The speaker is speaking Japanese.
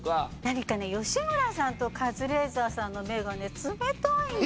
何かね吉村さんとカズレーザーさんの目がね冷たいの！